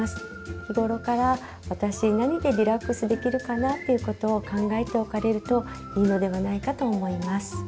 日頃から私何でリラックスできるかなっていうことを考えておかれるといいのではないかと思います。